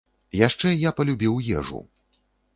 Яшчэ я палюбіў ежу.